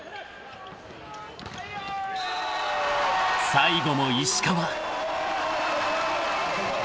［最後も石川］